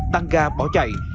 tăng ga bỏ chạy